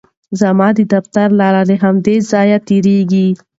زما د دفتر لاره له همدې ځایه تېریږي.